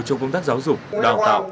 trong công tác giáo dục đào tạo